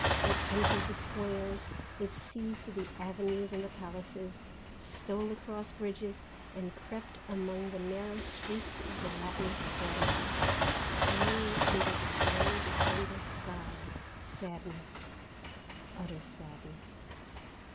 It entered the squares, it seized the avenues and the palaces, stole across bridges and crept among the narrow streets of the Latin Quarter, grey under the grey of the December sky. Sadness, utter sadness.